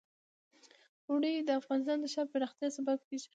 اوړي د افغانستان د ښاري پراختیا سبب کېږي.